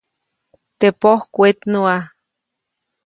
Teʼ pojk wetnuʼa.